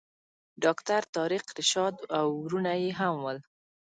ډاکټر طارق رشاد او وروڼه یې هم ول.